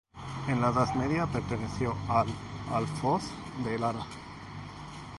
En la Edad Media perteneció al Alfoz de Lara.